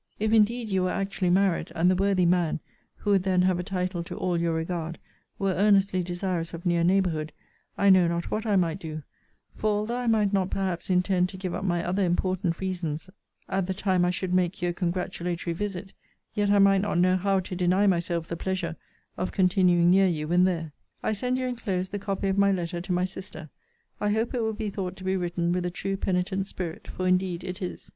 If indeed you were actually married, and the worthy man (who would then have a title to all your regard) were earnestly desirous of near neighbourhood, I know not what I might do: for although I might not perhaps intend to give up my other important reasons at the time I should make you a congratulatory visit, yet I might not know how to deny myself the pleasure of continuing near you when there. I send you enclosed the copy of my letter to my sister. I hope it will be thought to be written with a true penitent spirit; for indeed it is.